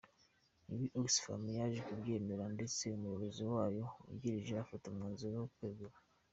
Ibi Oxfam yaje kubyemera ndetse umuyobozi wayo wungirije afata umwanzuro wo kwegura.